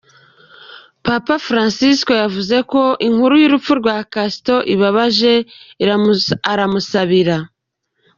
Papa Francisco yavuze ko intkuru y' urupfu rwa Castro ibabaje, aramusabira.